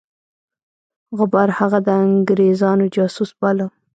غبار هغه د انګرېزانو جاسوس باله.